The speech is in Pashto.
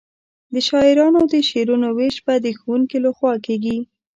د شاعرانو د شعرونو وېش به د ښوونکي له خوا کیږي.